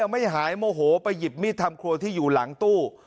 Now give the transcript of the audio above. ไม่หายโมโหไปหยิบมีดทำครัวที่อยู่หลังตู้